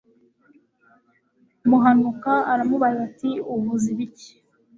muhanuka aramubaza ati uvuze ibiki